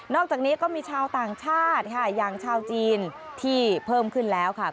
อกจากนี้ก็มีชาวต่างชาติค่ะอย่างชาวจีนที่เพิ่มขึ้นแล้วค่ะ